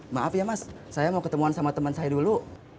maaf ya mas saya mau ketemuan sama teman saya dulu